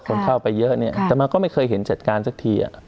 คนเข้าไปเยอะเนี่ยแต่มันก็ไม่เคยเห็นจัดการสักที